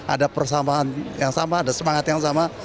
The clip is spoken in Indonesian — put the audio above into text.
ada persamaan yang sama ada semangat yang sama